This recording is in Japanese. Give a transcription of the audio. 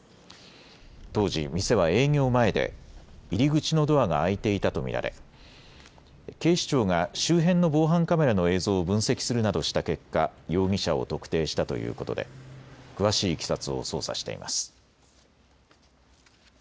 当時、店は営業前で入り口のドアが開いていたと見られ警視庁が周辺の防犯カメラの映像を分析するなどした結果、容疑者を特定したということで詳しいいきさつを捜査しています。